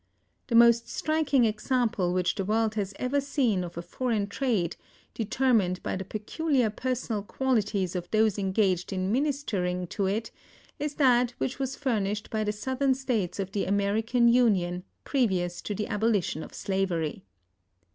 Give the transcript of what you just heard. The most striking example which the world has ever seen of a foreign trade determined by the peculiar personal qualities of those engaged in ministering to it is that which was furnished by the Southern States of the American Union previous to the abolition of slavery.